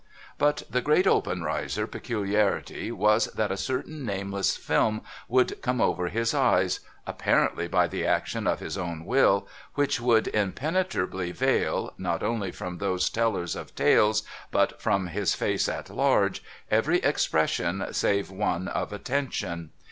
But the great Obenreizer peculiarity was, that a certain nameless film would come over his eyes — apparently by the action of his own will — which would impenetrably veil, not only from those tellers of tales, but from his face at large, every expression save one of attention.